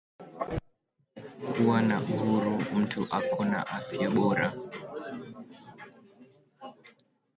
Kuwa na uhuru mutu eko na afya bora